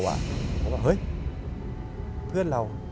เฮ้ยเพื่อนเรา